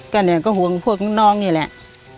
ก็เนี่ยก็ห่วงพวกน้องนี่แหละ